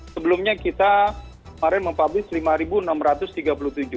sebelumnya kita mempublish lima enam ratus tiga puluh tujuh